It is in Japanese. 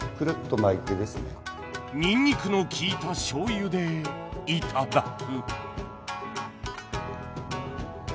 にんにくのきいたしょうゆでいただく